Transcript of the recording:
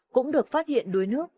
cũng được phát hiện đuối nước